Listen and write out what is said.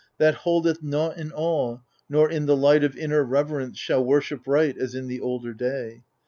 That holdeth nought in awe nor in the light Of inner reverence, shall worship Right As in the older day